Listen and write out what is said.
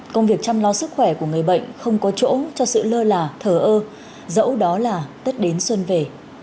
công việc chăm lo sức khỏe của người bệnh không có chỗ cho sự lơ là thờ ơ dẫu đó là tết đến xuân về